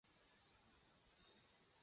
卢卡斯可以是一个名字或姓氏。